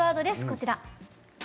こちら。